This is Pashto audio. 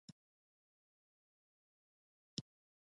په تصویر د کائیناتو کې ليکمه